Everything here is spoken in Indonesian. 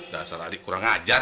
dasar adik kurang ajar